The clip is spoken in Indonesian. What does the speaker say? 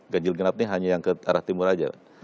ganjil genap ini hanya yang ke arah timur saja